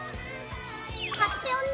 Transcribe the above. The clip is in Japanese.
端をね